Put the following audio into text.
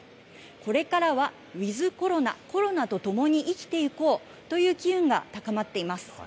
これからはウィズコロナ・コロナと共に生きていこうという機運が高まっています。